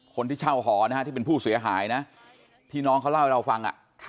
คนที่เช่าหอนะฮะที่เป็นผู้เสียหายนะที่น้องเขาเล่าให้เราฟัง